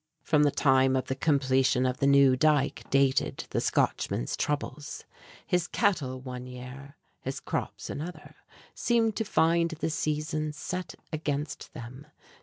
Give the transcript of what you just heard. From the time of the completion of the new dike dated the Scotchman's troubles. His cattle one year, his crops another, seemed to find the seasons set against them.